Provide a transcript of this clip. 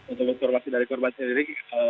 untuk informasi dari korban sendiri